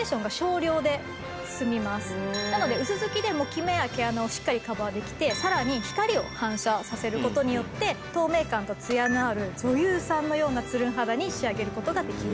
なので薄づきでもキメや毛穴をしっかりカバーできてさらに光を反射させる事によって透明感とツヤのある女優さんのようなツルン肌に仕上げる事ができます。